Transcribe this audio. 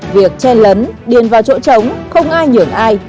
việc chen lấn điền vào chỗ trống không ai nhường ai